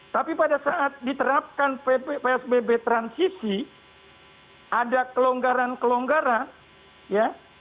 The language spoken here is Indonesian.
tapi pada saat diterapkan psbb transisi ada kelonggaran kelonggaran ya